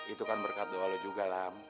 itu kan berkat doa lo juga lam